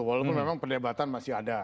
walaupun memang perdebatan masih ada